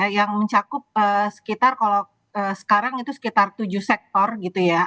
yang mencakup sekitar kalau sekarang itu sekitar tujuh sektor gitu ya